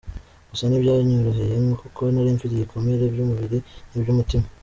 Gusa ntibyanyoroheye kuko nari mfite ibikomere by’umuburi n’iby’umutima.